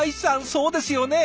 そうですよね。